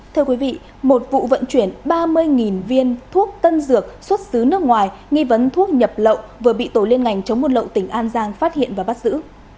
thưa quý vị một vụ vận chuyển ba mươi viên thuốc tân dược xuất xứ nước ngoài nghi vấn thuốc nhập lậu vừa bị tổ liên ngành chống buôn lậu tỉnh an giang phát hiện và bắt giữ